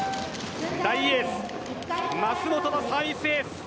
大エース・舛本のサービスエース。